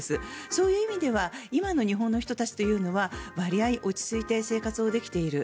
そういう意味では今の日本の人たちというのは割合、落ち着いて生活できている。